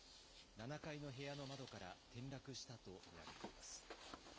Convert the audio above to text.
７階の部屋の窓から転落したと見られています。